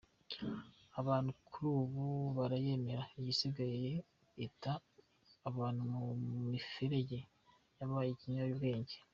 Abantu kuri ubu barayemera, isigaye ita abantu mu miferege, yabaye ikiyobyabwenge.